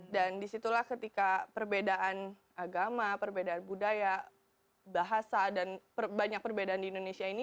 dan disitulah ketika perbedaan agama perbedaan budaya bahasa dan banyak perbedaan di indonesia ini